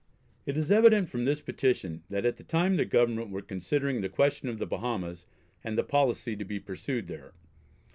It is evident from this petition that at the time the Government were considering the question of the Bahamas, and the policy to be pursued there.